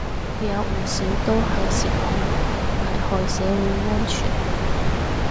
有唔少都係涉恐，危害社會安全